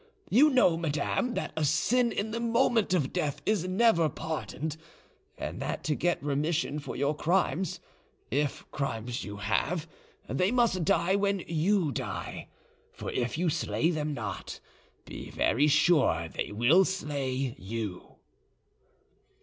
You know, madame, that a sin in the moment of death is never pardoned, and that to get remission for your crimes, if crimes you have, they must die when you die: for if you slay them not, be very sure they will slay you."